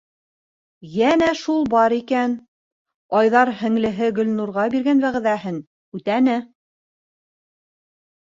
Йәнә шул бар икән: Айҙар һеңлеһе Гөлнурға биргән вәғәҙәһен үтәне.